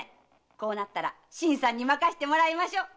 こうなったら新さんに任せてもらいましょう。